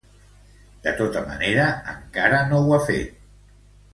De tota manera, encara no ho ha fet.